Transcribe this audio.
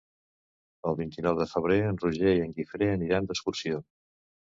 El vint-i-nou de febrer en Roger i en Guifré aniran d'excursió.